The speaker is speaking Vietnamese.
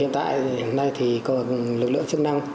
hiện tại hiện nay thì có lực lượng chức năng